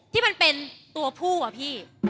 ที่มันเป็นตัวผู้อะพี่